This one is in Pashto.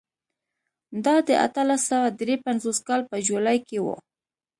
دا د اتلس سوه درې پنځوس کال په جولای کې و.